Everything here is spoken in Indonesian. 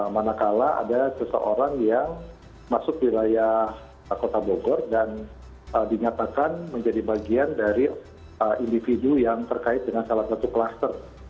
manakala ada seseorang yang masuk wilayah kota bogor dan dinyatakan menjadi bagian dari individu yang terkait dengan salah satu kluster